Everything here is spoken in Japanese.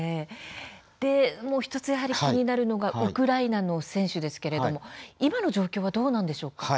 もう１つ気になるのがウクライナの選手ですけれども今の状況はどうなんでしょうか。